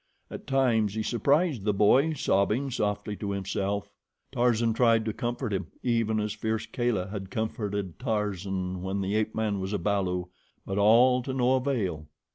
At times he surprised the boy sobbing softly to himself. Tarzan tried to comfort him, even as fierce Kala had comforted Tarzan when the ape man was a balu, but all to no avail.